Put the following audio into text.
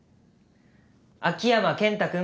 秋山健太君。